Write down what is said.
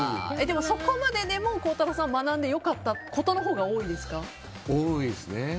そこまででも孝太郎さんは学んで良かったことのほうが多いですね。